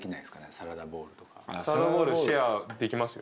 サラダボウルシェアできますよ。